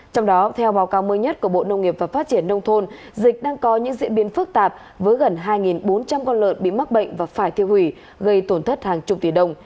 trong đó theo báo cáo mới nhất của bộ nông nghiệp và phát triển nông thôn dịch đang có những diễn biến phức tạp với gần hai bốn trăm linh con lợn bị mắc bệnh và phải tiêu hủy gây tổn thất hàng chục tỷ đồng